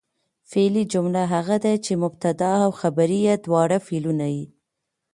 فعلي جمله هغه ده، چي مبتدا او خبر ئې دواړه فعلونه يي.